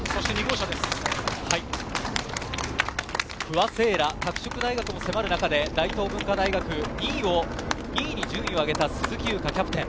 不破聖衣来、拓殖大学が迫る中、大東文化大は２位に順位を上げた鈴木優花、キャプテン。